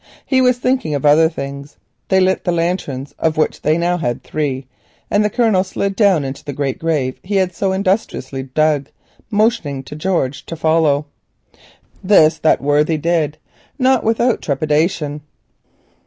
He was thinking of other things. They lit the lanterns, of which they now had three, and the Colonel slid down into the great grave he had so industriously dug, motioning to George to follow. This that worthy did, not without trepidation.